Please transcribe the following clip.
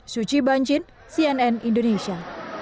suci banjin cnn indonesia